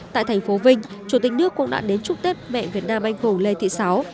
tại thành phố vinh chủ tịch nước cũng đã đến chúc tết mẹ việt nam anh hùng lê thị sáu